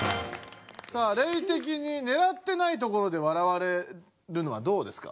さあレイ的にねらってないところで笑われるのはどうですか？